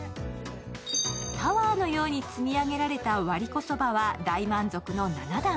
タワーのように積み上げられた割りこそばは大満足の７段。